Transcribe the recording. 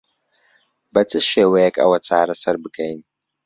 بە چ شێوەیەک ئەوە چارەسەر بکەین؟